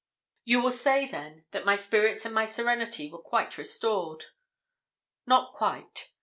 You will say then that my spirits and my serenity were quite restored. Not quite.